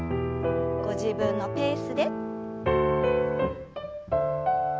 ご自分のペースで。